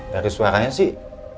dari suaranya sih